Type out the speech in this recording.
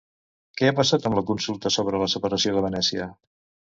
Què ha passat amb la consulta sobre la separació de Venècia?